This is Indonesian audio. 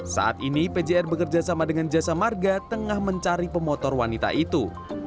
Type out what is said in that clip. saat ini pjr bekerja sama dengan jasa marga tengah mencari pemotor wanita itu